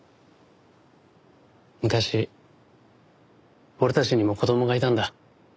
昔俺たちにも子供がいたんだ。